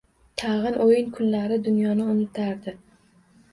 Tag`in o`yin bor kunlari dunyoni unutardi